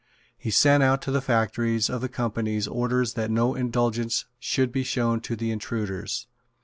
He sent out to the factories of the Company orders that no indulgence should be shown to the intruders.